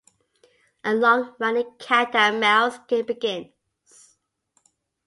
A long running cat and mouse game begins.